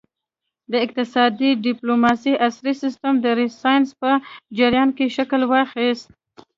د اقتصادي ډیپلوماسي عصري سیسټم د رینسانس په جریان کې شکل واخیست